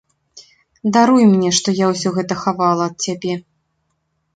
Даруй мне, што я ўсё гэта хавала ад цябе.